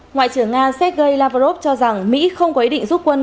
ngoại trưởng nga sergei lavrov cho rằng mỹ không có ý định rút quân